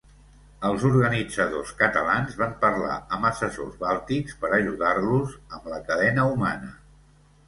Els organitzadors catalans van parlar amb assessors bàltics per ajudar-los amb la cadena humana.